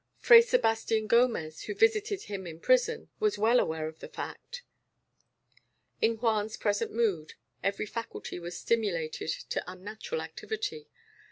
Fray Sebastian Gomez, who visited him in prison, was well aware of the fact." In Juan's present mood every faculty was stimulated to unnatural activity.